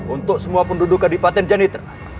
untuk semua penduduk kadipaten jani tera